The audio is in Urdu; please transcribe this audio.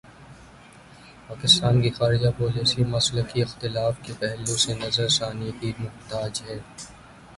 پاکستان کی خارجہ پالیسی مسلکی اختلاف کے پہلو سے نظر ثانی کی محتاج ہے۔